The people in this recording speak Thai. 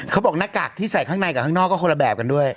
หน้ากากที่ใส่ข้างในกับข้างนอกก็คนละแบบกันด้วย